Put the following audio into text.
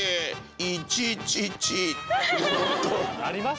あります？